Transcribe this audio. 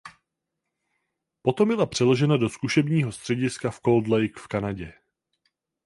Potom byla přeložena do zkušebního střediska v Cold Lake v Kanadě.